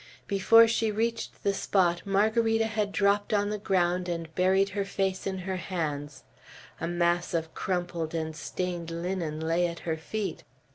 Before she reached the spot, Margarita had dropped on the ground and buried her face in her hands. A mass of crumpled and stained linen lay at her feet.